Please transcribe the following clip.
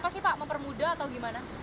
apa sih pak mempermudah atau gimana